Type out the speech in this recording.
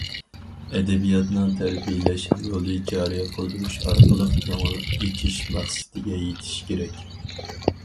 ئەدەبىياتنىڭ تەربىيەلەش رولىنى جارى قىلدۇرۇش ئارقىلىق، كۆڭۈل ئېچىش مەقسىتىگە يېتىش كېرەك.